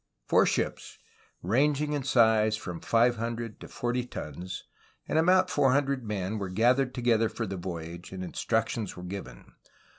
Four ships, ranging in size from five hundred to forty tons, and about four hundred men were gathered together for the voyage, and instructions were given.